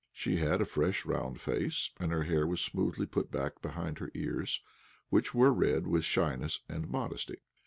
She had a fresh, round face, and her hair was smoothly put back behind her ears, which were red with shyness and modesty.